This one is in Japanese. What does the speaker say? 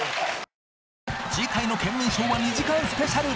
次回の『ケンミンＳＨＯＷ』は２時間スペシャル！